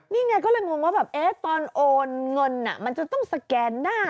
นี่ไงก็เลยงงว่าแบบตอนโอนเงินมันจะต้องสแกนหน้า